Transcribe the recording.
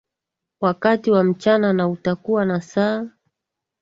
wakati wa mchana na utakuwa na saa